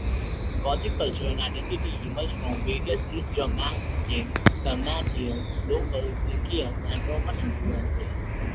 Gothic culture and identity emerged from various East-Germanic, Sarmatian, local Dacian, and Roman influences.